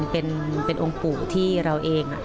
เป็นองค์ปู่ที่เราเอง